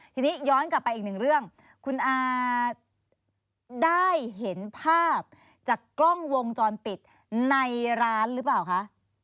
ทีนี้ย้อนกลับไปอีกหนึ่งเรื่องคุณอาได้เห็นภาพจากกล้องวงจรปิดในร้านหรือเปล่าคะ